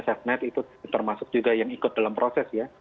setnet itu termasuk juga yang ikut dalam proses ya